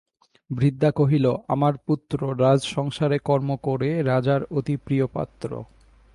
বৃদ্ধা কহিল, আমার পুত্র রাজসংসারে কর্ম করে রাজার অতি প্রিয় পাত্র।